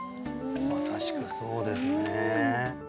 まさしくそうですね